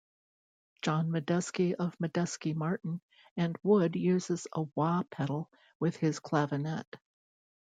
John Medeski of Medeski, Martin, and Wood uses a wah pedal with his clavinet.